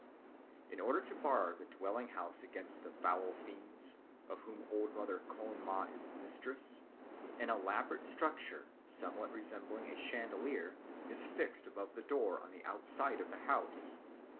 In order to bar the dwelling house against the foul fiends, of whom Old Mother Khön ma is mistress, an elaborate structure somewhat resembling a chandelier is fixed above the door on the outside of the house.